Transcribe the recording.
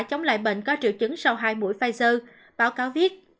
chống lại bệnh có triệu chứng sau hai buổi pfizer báo cáo viết